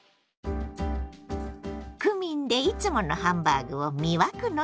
クミンでいつものハンバーグを魅惑の一皿に。